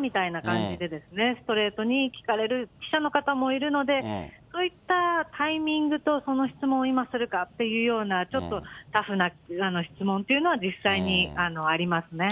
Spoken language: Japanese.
みたいな感じでですね、ストレートに聞かれる記者の方もいるので、そういったタイミングと、その質問を今するかっていうような、ちょっとタフな質問というのは実際にありますね。